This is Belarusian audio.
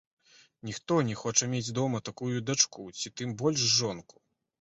Ніхто не хоча мець дома такую дачку ці тым больш жонку.